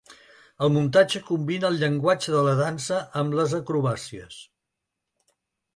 El muntatge combina el llenguatge de la dansa amb les acrobàcies.